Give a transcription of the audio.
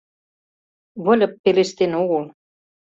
Выльып пелештен огыл.